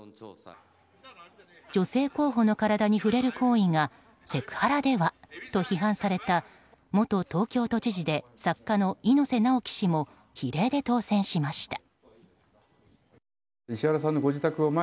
女性候補の体に触れる行為がセクハラでは？と批判された元東京都知事で作家の猪瀬直樹氏も比例で当選しました。